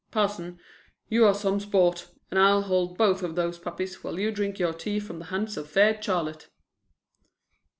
Parson, you are some sport, and I'll hold both of those puppies while you drink your tea from the hands of fair Charlotte."